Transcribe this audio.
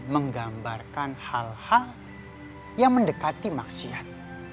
menggambarkan hal hal yang mendekati maksiat